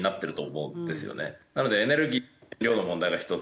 なのでエネルギー燃料の問題が１つ。